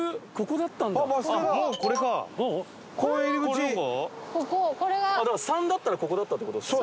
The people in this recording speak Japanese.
だから「３」だったらここだったって事ですか？